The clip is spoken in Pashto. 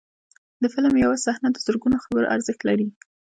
د فلم یو صحنه د زرګونو خبرو ارزښت لري.